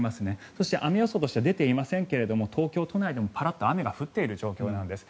そして、雨予想として出ていませんけども東京都内でも、パラッと雨が降っている状況なんです。